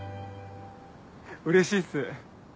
うれしいっす。